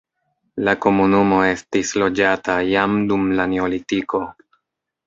La komunumo estis loĝata jam dum la neolitiko.